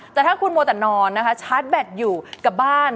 แต่ถ้าคุณมัวแต่นอนนะคะชาร์จแบตอยู่กับบ้าน